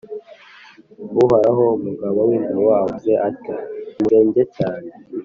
Uhoraho, Umugaba w’ingabo, avuze atya: nimusenge cyane